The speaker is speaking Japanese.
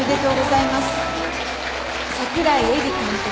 櫻井絵里監督